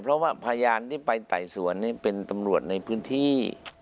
เพราะว่าพยานที่ไปไต่สวนเป็นตำรวจในพื้นที่